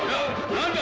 ・何だ？